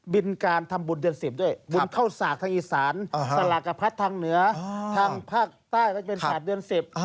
บินการทำบุญเดือน๑๐ด้วย